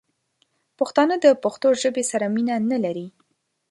پښتانه دپښتو ژبې سره مینه نه لري